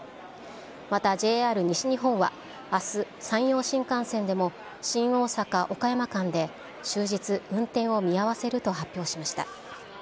また、ＪＲ西日本は、あす、山陽新幹線でも新大阪・岡山間で、終日、運転を見合わせると発表しました。